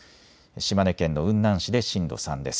島根県の雲南市で震度３です。